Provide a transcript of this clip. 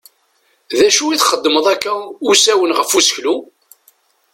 D acu i txeddmeḍ akka usawen ɣef useklu?